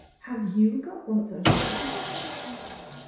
have you got one of those rowdy hats?"